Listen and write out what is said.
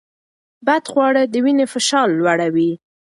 بدخواړه د وینې فشار لوړوي.